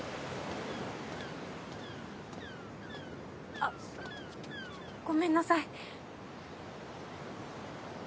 あっごめんなさい。